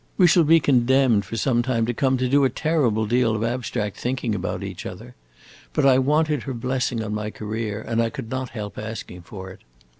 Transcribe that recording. We shall be condemned, for some time to come, to do a terrible deal of abstract thinking about each other. But I wanted her blessing on my career and I could not help asking for it.